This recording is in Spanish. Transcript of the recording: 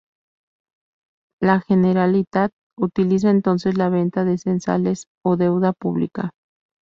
La "Generalitat" utiliza entonces la venta de censales o deuda pública.